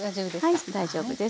はい大丈夫です。